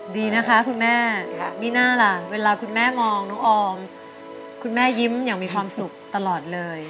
ดีนะคะคุณแม่มีหน้าล่ะเวลาคุณแม่มองน้องออมคุณแม่ยิ้มอย่างมีความสุขตลอดเลย